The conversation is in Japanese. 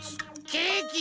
ケーキ。